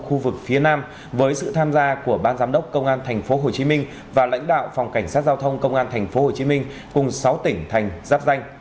khu vực phía nam với sự tham gia của ban giám đốc công an thành phố hồ chí minh và lãnh đạo phòng cảnh sát giao thông công an thành phố hồ chí minh cùng sáu tỉnh thành giáp danh